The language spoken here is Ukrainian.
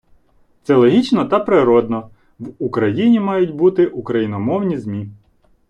Це логічно та природно — в Україні мають бути україномовні ЗМІ.